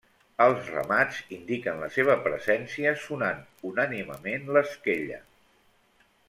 Els ramats indiquen la seva presència sonant unànimement l'esquella.